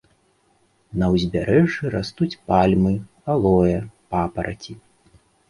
На ўзбярэжжы растуць пальмы, алоэ, папараці.